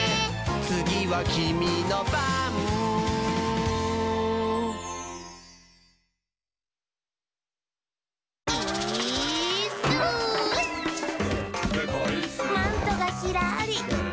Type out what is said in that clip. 「つぎはキミのばん」「イーッス」「マントがひらり」